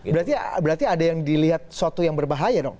berarti ada yang dilihat suatu yang berbahaya dong